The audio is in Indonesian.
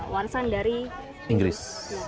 warisan dari inggris